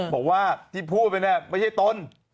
บอกว่าที่พูดไปเนี่ยไม่ใช่ตน